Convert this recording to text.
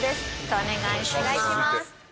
お願いします。